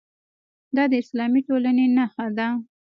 دا د اسلامي ټولنې نښه ده.